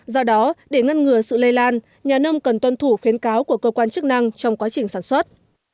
do đó để ngăn ngừa sự lây lan nhà nông cần tuân thủ khuyến cáo của cơ quan chức năng trong quá trình sản xuất